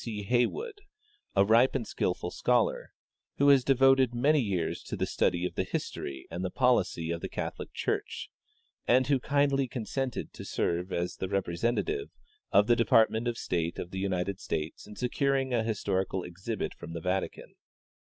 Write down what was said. C. Heywood, a ripe and skillful scholar, who has devoted many years to the study of the history and the policy of the Catholic church, and who kindly consented to serve as the representative of the Department of State of the United States in securing a historical exhibit from the Vatican.